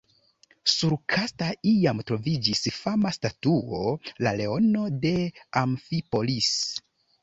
Sur Kasta iam troviĝis fama statuo “La leono de Amfipolis”.